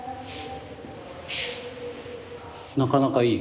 なかなかいい